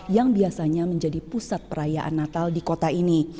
yang biasanya menjadi pusat perayaan natal di kota ini